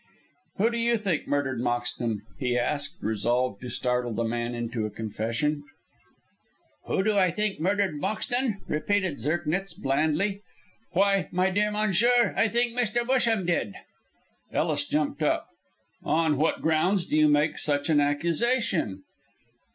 "Who do you think murdered Moxton?" he asked, resolved to startle the man into a confession. "Who do I think murdered Moxton," repeated Zirknitz, blandly. "Why, my dear Monsieur, I think Mr. Busham did." Ellis jumped up. "On what grounds do you make such an accusation?"